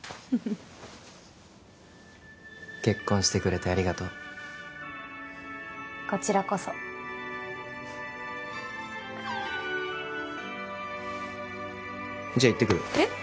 結婚してくれてありがとうこちらこそじゃあ行ってくるえっ